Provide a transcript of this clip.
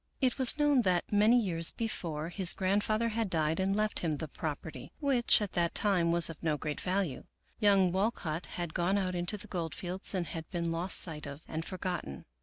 It was known that, many years before, his grandfather had died and left him the property, which, at that time, was of no great value. Young Walcott had gone out into the gold fields and had been lost sight of and forgotten.